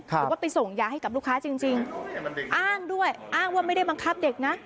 บอกว่าไปส่งยาให้กับลูกค้าจริงอ้างด้วยอ้างว่าไม่ได้บังคับเด็กนะ